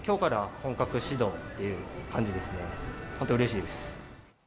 本当、うれしいです。